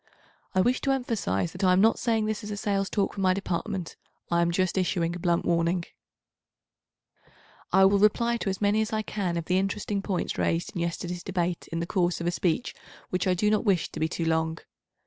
I wish to emphasise that I am not saying this as a sales talk for my Department. I am just issuing a blunt warning, I will reply to as many as I can of the interesting points raised in yesterday's Debate in the course of a speech which I do not wish to be too long.